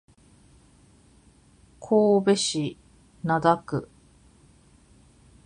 神戸市灘区